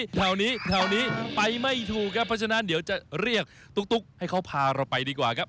แถวนี้แถวนี้ไปไม่ถูกครับเพราะฉะนั้นเดี๋ยวจะเรียกตุ๊กให้เขาพาเราไปดีกว่าครับ